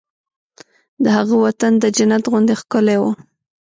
د هغه وطن د جنت غوندې ښکلی و